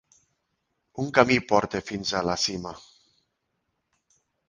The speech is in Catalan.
Un camí porta fins a la cima.